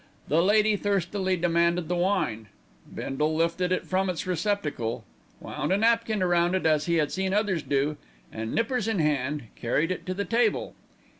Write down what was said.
The lady thirstily demanded the wine. Bindle lifted it from its receptacle, wound a napkin round it as he had seen others do and, nippers in hand, carried it to the table.